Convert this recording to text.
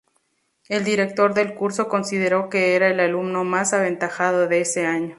El director del curso consideró que era el alumno más aventajado de ese año.